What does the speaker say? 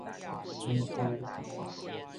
水龜